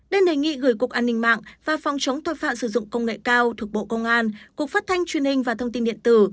đơn đề nghị gửi cục an ninh mạng và phòng chống tội phạm sử dụng công nghệ cao thuộc bộ công an cục phát thanh truyền hình và thông tin điện tử